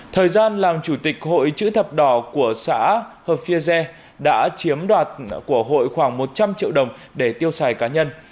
thời gian làm chủ tịch hội chữ thập đỏ của xã hợp phia dê đã chiếm đoạt của hội khoảng một trăm linh triệu đồng để tiêu xài cá nhân